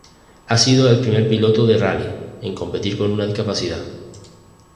Ha sido el primer piloto de rally en competir con una discapacidad.